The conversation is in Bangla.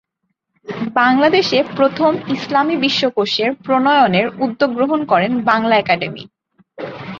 বাংলাদেশে প্রথম ইসলামী বিশ্বকোষের প্রণয়নের উদ্যোগ গ্রহণ করেন বাংলা একাডেমী।